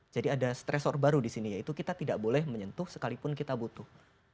jadi ada stresor baru disini yaitu kita tidak boleh menyentuh sekalipun kita butuh